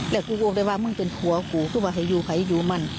แล้วกูโกรธได้ว่ามึงเป็นหัวกูก็ว่าให้อยู่ภัยอยู่มั่น